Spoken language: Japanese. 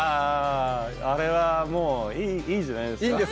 あれはもう、いいんじゃないですか。